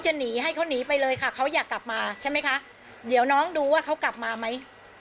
หนีให้เขาหนีไปเลยค่ะเขาอยากกลับมาใช่ไหมคะเดี๋ยวน้องดูว่าเขากลับมาไหม